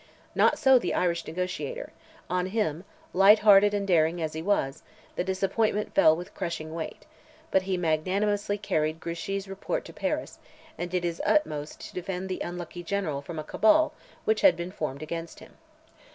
Not so the Irish negotiator; on him, light hearted and daring as he was, the disappointment fell with crushing weight; but he magnanimously carried Grouchy's report to Paris, and did his utmost to defend the unlucky general from a cabal which had been formed against him.